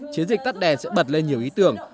chiến dịch tắt đèn sẽ bật lên nhiều ý tưởng